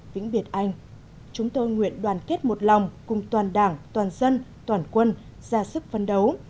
vĩnh biệt anh chúng tôi nguyện đoàn kết một lòng cùng toàn đảng toàn dân toàn quân ra sức phấn đấu